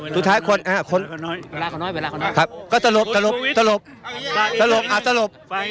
สุดท้ายคนไปลากับครับก็สรุปสรุป